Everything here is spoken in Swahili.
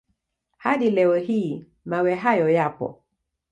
Hadi leo hii mawe hayo yapo.